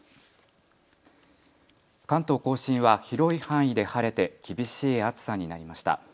関東甲信は広い範囲で晴れて厳しい暑さになりました。